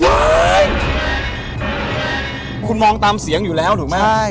เฮ้ยคุณมองตามเสียงอยู่แล้วถูกไหม